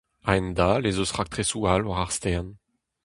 A-hend-all ez eus raktresoù all war ar stern.